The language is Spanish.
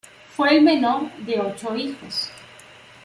Fue el menor de ocho hijos.